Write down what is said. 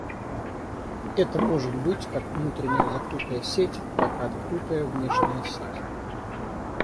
Это может быть как внутренняя закрытая сеть, так и открытая внешняя сеть